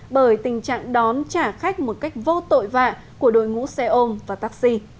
bởi tình trạng đón trả khách một cách vô tội vạ của đội ngũ xe ôm và taxi